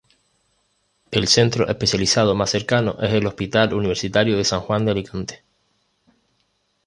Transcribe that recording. El centro especializado más cercano es el Hospital Universitario de San Juan de Alicante.